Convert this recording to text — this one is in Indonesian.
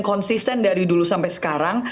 konsisten dari dulu sampai sekarang